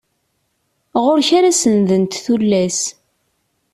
Ɣur-k ara sendent tullas.